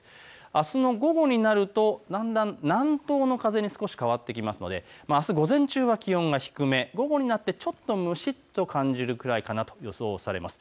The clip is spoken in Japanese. あすの午後になるとだんだん南東の風に変わってくるので、あす午前中は気温が低め、午後になってちょっと蒸しっと感じるくらいかなと予想されています。